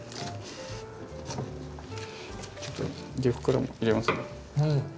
ちょっと逆からも入れますね。